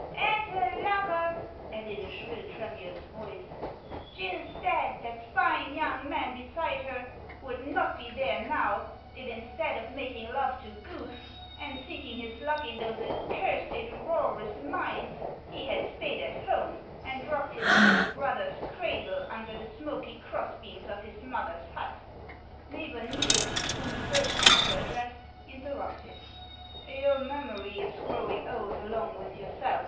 " And her lover," added a shrill, tremulous voice, " Gill Stadt, that fine young man beside her, would not be there now, if instead of making love to Guth and seeking his 24 HANS OF ICELAND. luck iii those accursed 1'oeraas mines, he had stayed at home and rocked his little brother's cradle, under the smoky cross beams of his mother's hut." Neighbor Niels, whom the first speaker addressed, inter rupted : "Your memory is growing old along with your self.